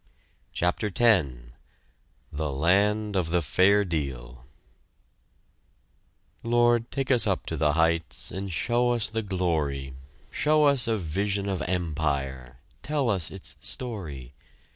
CHAPTER X THE LAND OF THE FAIR DEAL Lord, take us up to the heights, and show us the glory, Show us a vision of Empire! Tell us its story!